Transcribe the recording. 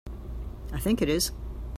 I think it is.